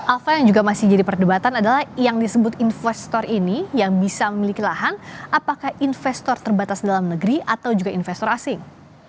alfa yang juga masih jadi perdebatan adalah yang disebut investor ini yang bisa memiliki lahan apakah investor terbatas dalam negeri atau juga investor asing